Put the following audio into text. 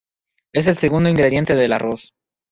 El segundo ingrediente es el arroz.